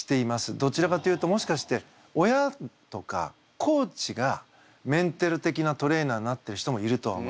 どちらかというともしかして親とかコーチがメンタル的なトレーナーになってる人もいるとは思います。